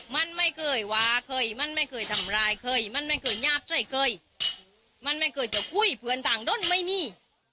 มันไม่เกิดจะคุยเผื่อนต่างด้นไม่มี